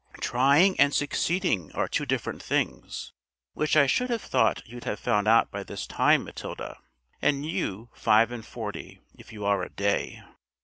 "Trying and succeeding are two different things, which I should have thought you'd have found out by this time, Matilda, and you five and forty, if you are a day!